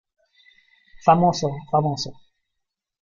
¡ famoso, famoso!...